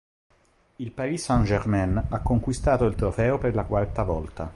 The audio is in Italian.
Il Paris Saint-Germain ha conquistato il trofeo per la quarta volta.